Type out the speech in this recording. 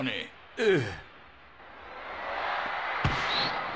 ええ。